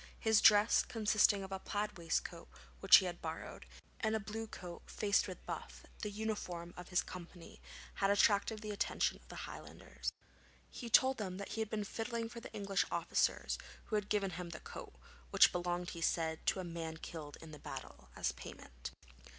His dress, consisting of a plaid waistcoat which he had borrowed, and a blue coat faced with buff, the uniform of his company, had attracted the attention of the Highlanders. He told them that he had been fiddling for the English officers, who had given him the coat (which belonged, he said, to a man killed in the battle) as payment.